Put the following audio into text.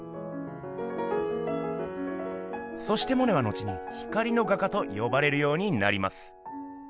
そしてモネは後に「光の画家」と呼ばれるようになります。